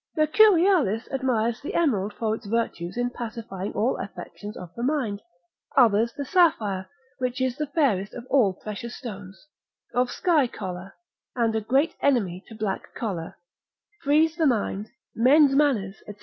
Mercurialis admires the emerald for its virtues in pacifying all affections of the mind; others the sapphire, which is the fairest of all precious stones, of sky colour, and a great enemy to black choler, frees the mind, mends manners, &c.